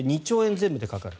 全部でかかる。